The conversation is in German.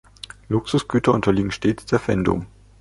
Luxusgüter unterliegen stets der Pfändung.